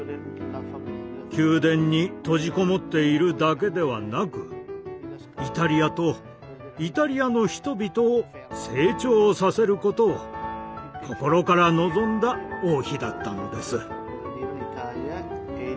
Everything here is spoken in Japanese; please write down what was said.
宮殿に閉じこもっているだけではなくイタリアとイタリアの人々を成長させることを心から望んだ王妃だったのです。